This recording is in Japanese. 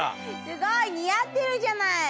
すごいにあってるじゃない。